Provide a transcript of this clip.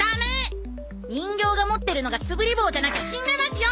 人形が持ってるのが素振り棒じゃなきゃ死んでますよ！